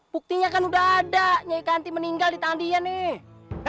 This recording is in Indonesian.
buktinya kan udah ada nyai kanti meninggal di tangan dia nih